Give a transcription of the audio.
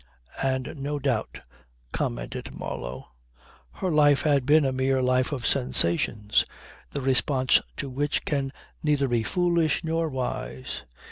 "And no doubt," commented Marlow, "her life had been a mere life of sensations the response to which can neither be foolish nor wise.